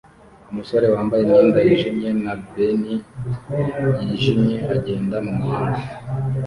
Umusore wambaye imyenda yijimye na beanie yijimye agenda mumuhanda